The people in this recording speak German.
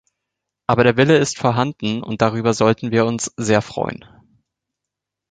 Aber der Wille ist vorhanden und darüber sollten wir uns sehr freuen.